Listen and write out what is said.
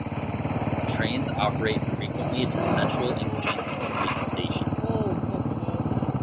Trains operate frequently to Central and Queen Street stations.